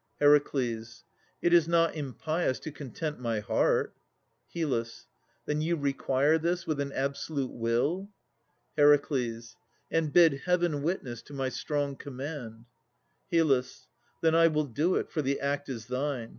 HER. It is not impious to content my heart. HYL. Then you require this with an absolute will? HER. And bid Heaven witness to my strong command. HYL. Then I will do it, for the act is thine.